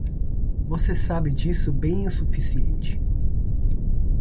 Você sabe disso bem o suficiente.